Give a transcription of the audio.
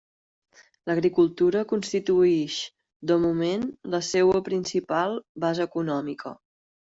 L'agricultura constituïx de moment la seua principal base econòmica.